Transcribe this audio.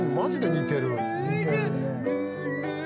似てるね。